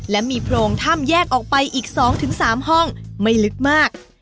และมีโพรงถ้ำแยกออกไปอีก๒๓ห้องไม่ลึกมาก